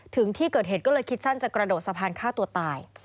ถึงที่เกิดเหตุก็เลยคิดสั้นจะกระโดดสะพานฆ่าตัวตาย